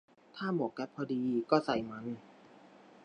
ถ้าหมวกแก๊ปพอดี ก็ใส่มัน